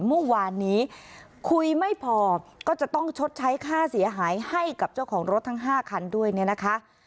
เมื่อวานนี้คุยไม่พอก็จะต้องชดใช้ค่าเสียหายให้กับเจ้าของรถทั้ง๕คันด้วยเนี่ยนะคะ